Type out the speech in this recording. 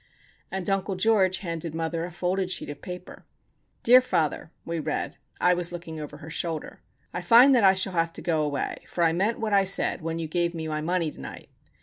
And Uncle George handed mother a folded sheet of paper. "Dear father," we read,—I was looking over her shoulder,— "I find that I shall have to go away for I ment what I said wen you gave me my money tonight.